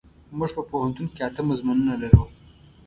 مونږ په پوهنتون کې اته مضمونونه لرو.